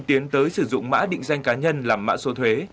tiến tới sử dụng mã định danh cá nhân làm mã số thuế